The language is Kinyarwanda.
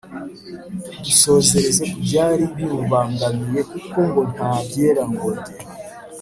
dusozereze ku byari bibubangamiye kuko ngo "nta byera ngo de